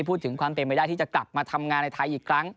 พูดถึงความเป็นไปได้ที่จะกลับมาทำงานในไทยอีกครั้ง